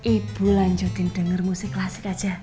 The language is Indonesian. ibu lanjutin denger musik klasik aja